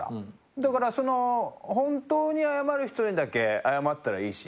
だからその本当に謝る人にだけ謝ったらいいし。